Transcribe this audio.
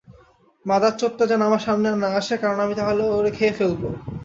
মাদারচোতটা যেন আমার সামনে আর না আসে, কারণ আমি তাহলে ওরে খেয়ে ফেলবো।